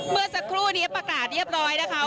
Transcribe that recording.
เมื่อสักครู่นี้ประกาศเรียบร้อยนะคะ